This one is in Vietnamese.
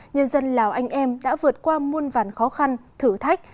nhân dân lào anh em đã vượt qua muôn vàn khó khăn thử thách